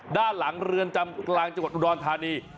ด้านหลังเรือนจำกลางจังหวัดอุดรธานี